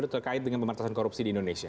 terkait dengan pembatasan korupsi di indonesia